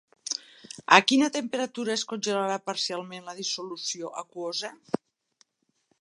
A quina temperatura es congelarà parcialment la dissolució aquosa?